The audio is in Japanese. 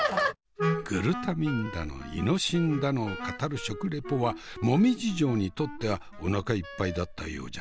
グルタミンだのイノシンだのを語る食レポは紅葉嬢にとってはおなかいっぱいだったようじゃな。